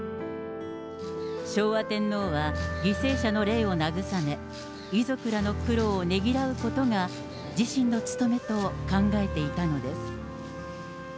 昭和天皇は、犠牲者の霊を慰め、遺族らの苦労をねぎらうことが、自身の務めと考えていたのです。